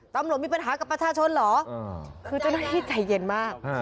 ตำรวจมีปัญหากับประชาชนเหรอคือเจ้าหน้าที่ใจเย็นมาก